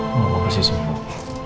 mama pasti sembuh